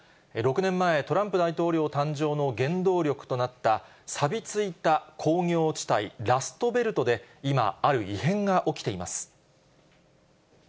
６年前、トランプ大統領誕生の原動力となった、さびついた工業地帯・ラストベルトで、今、ある異変が起きています。